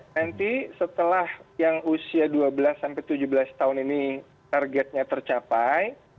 nanti setelah yang usia dua belas sampai tujuh belas tahun ini targetnya tercapai